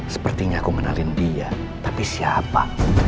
sepertinya aku kenalin dia tapi siapa